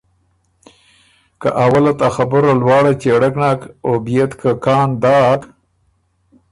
که اول ت ا خبُره لواړه چېړک نک او بيې ت که کان داک،